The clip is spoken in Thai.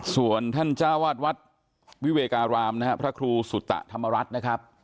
ส่วนท่านจ้าวาดวัดวิเวการามนะครับพระครูสุตะธรรมรัฐนะครับ